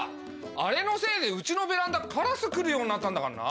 あれのせいで家のベランダカラス来るようになったんだからな。